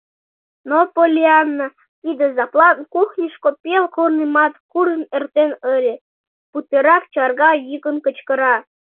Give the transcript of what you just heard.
Но Поллианна тиде жаплан кухньышко пел корнымат куржын эртен ыле, путырак чарга йӱкын кычкыра: